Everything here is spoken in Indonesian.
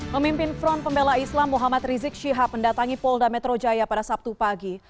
pemimpin front pembela islam muhammad rizik syihab mendatangi polda metro jaya pada sabtu pagi